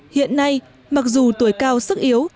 hiện nay mặc dù tuổi cao sức yếu